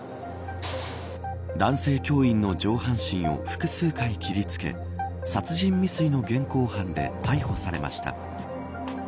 男性教員の上半身を複数回、切りつけ殺人未遂の現行犯で逮捕されました。